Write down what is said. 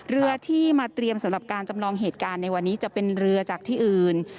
เรือที่มาเตรียมสำหรับการจำลองเหตุการณ์ในวันนี้จะเป็นเรือจากที่อื่น